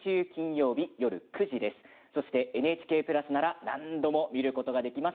ＮＨＫプラスなら何度も見ることができます。